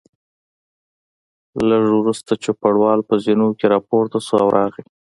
لږ وروسته چوپړوال په زینو کې راپورته شو او راغی.